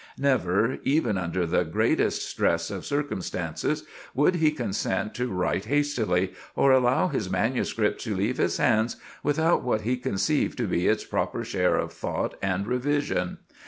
Never, even under the greatest stress of circumstances, would he consent to write hastily, or allow his manuscript to leave his hands without what he conceived to be its proper share of thought and revision.